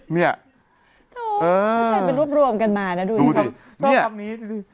เนี้ยเออทุกคนไปรวบรวมกันมาน่ะดูดิชอบคำนี้ดูดิ